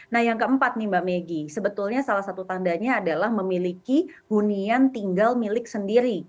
nah yang keempat nih mbak meggy sebetulnya salah satu tandanya adalah memiliki hunian tinggal milik sendiri